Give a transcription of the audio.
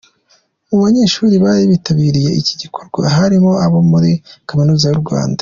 Mu banyeshuri bari bitabiriye iki gikorwa harimo abo muri Kaminuza y’u Rwanda.